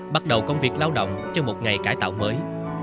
bắt đầu công việc lao động cho một ngày cải tạo mới